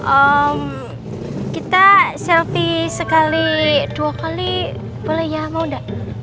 oh kita selfie sekali dua kali boleh ya mau enggak